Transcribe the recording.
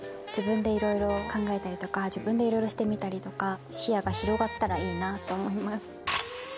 自分でいろいろ考えたりとか自分でいろいろしてみたりとか視野が広がったらいいなと思います。